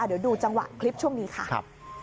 เดี๋ยวดูจังหวะคลิปช่วงนี้ค่ะ